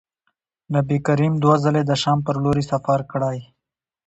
نبي کریم دوه ځلي د شام پر لوري سفر کړی.